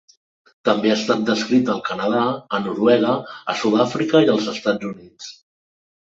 També ha estat descrita al Canadà, a Noruega, a Sud-àfrica i als Estats Units.